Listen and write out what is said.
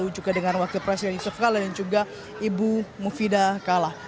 juga dengan wakil presiden yusuf kala dan juga ibu mufidah kalah